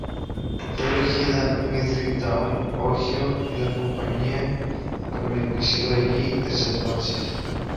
Fue elegida Middletown, Ohio, y la compañía ha permanecido allí desde entonces.